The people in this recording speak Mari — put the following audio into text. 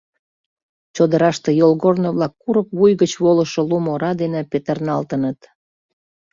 Чодыраште йолгорно-влак курык вуй гыч волышо лум ора дене петырналтыныт.